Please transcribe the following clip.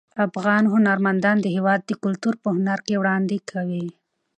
افغان هنرمندان د هیواد کلتور په هنر کې وړاندې کوي.